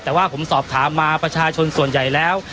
แต่ว่าผมสอบถามมาประชาชนส่วนใหญ่แล้ว